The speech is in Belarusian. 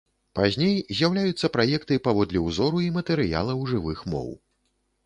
Пазней з'яўляюцца праекты паводле ўзору і матэрыялаў жывых моў.